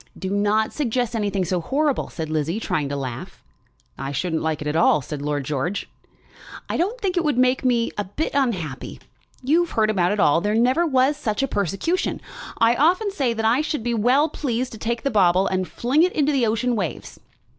"Do not suggest anything so horrible," said Lizzie, trying to laugh. "I shouldn't like it at all," said Lord George. "I don't think it would make me a bit unhappy. You've heard about it all. There never was such a persecution. I often say that I should be well pleased to take the bauble and fling it into the ocean waves."